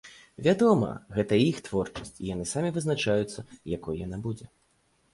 Вядома, гэта іх творчасць і яны самі вызначаюцца, якой яна будзе.